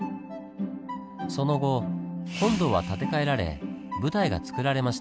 その後本堂は建て替えられ舞台がつくられました。